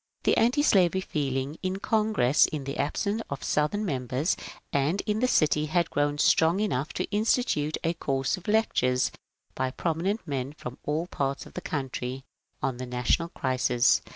The antislavery feeling in Congress, in the absence of Southern members, and in the city had grown strong enough to institute a course of lectures by prominent men from all parts of the country on the national crisis.